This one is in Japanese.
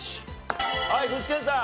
はい具志堅さん。